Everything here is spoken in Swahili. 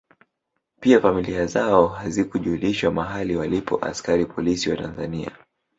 Pia familia zao hazikujulishwa mahali walipo askari polisi wa Tanzania